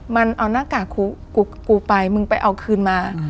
มันเอาหน้ากากกูไปมึงไปเอาคืนมา